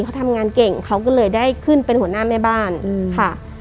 เขาทำงานเก่งเขาก็เลยได้ขึ้นเป็นหัวหน้าแม่บ้านค่ะ